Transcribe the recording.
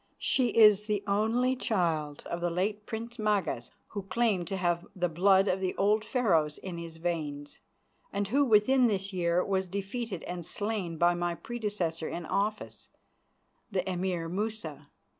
She is the only child of the late Prince Magas, who claimed to have the blood of the old Pharaohs in his veins, and who within this year was defeated and slain by my predecessor in office, the Emir Musa.